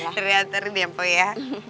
seri antar dia mpok ya